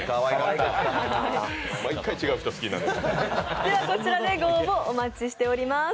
毎回、違う人、好きになって。